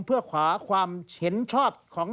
เพื่อขอความเห็นชอบ